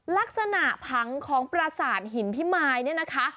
ลักษณะผังของประสาทหินพิมายเนี่ยนะคะ